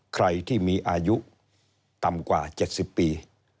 ใครที่มีอายุต่ำกว่า๗๐ปี